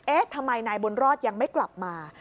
ทำไมนายบุญรอดยังไม่กลับมา